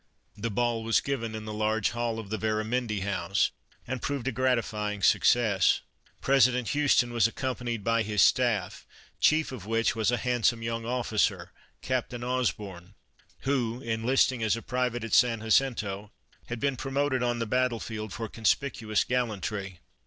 The ball was given in the large hall of the Veramendi House and proved a gratifying success. President Houston was accom panied by his Staff, Chief of which was a handsome young officer, Captain Osborn, who, enlisting as' a private at San Jacinto, had been promoted on the battlefield for conspicuous gallantry.